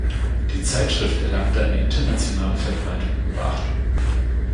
Die Zeitschrift erlangte eine internationale Verbreitung und Beachtung.